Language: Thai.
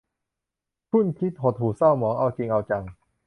ครุ่นคิด หดหู่เศร้าหมอง เอาจริงเอาจัง